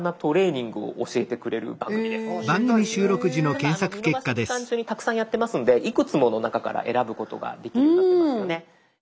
見逃し期間中にたくさんやってますんでいくつもの中から選ぶことができるようになってますよね。